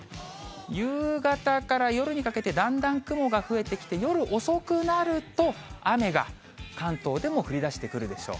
夕方から夜にかけてだんだん雲が増えてきて、夜遅くなると雨が関東でも降りだしてくるでしょう。